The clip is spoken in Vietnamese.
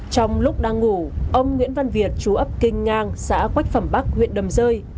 trong lúc đang ngủ ông nguyễn văn việt chú ấp kinh ngang xã quách phẩm bắc huyện đầm rơi